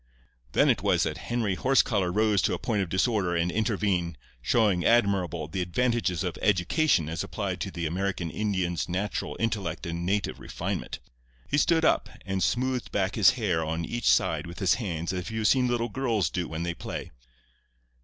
"Then it was that Henry Horsecollar rose to a point of disorder and intervened, showing, admirable, the advantages of education as applied to the American Indian's natural intellect and native refinement. He stood up and smoothed back his hair on each side with his hands as you have seen little girls do when they play.